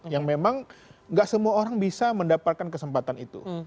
yang memang gak semua orang bisa mendapatkan kesempatan itu